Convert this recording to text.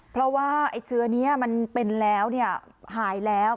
เพราะว่าไอ้เชื้อนี้มันเป็นแล้วหายแล้ว